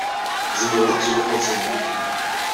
Tzemreḍ ad tzuxxeḍ s mmi-k.